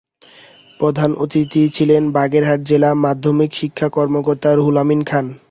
প্রধান অতিথি ছিলেন বাগেরহাট জেলা মাধ্যমিক শিক্ষা কর্মকর্তা রুহুল আমিন খান।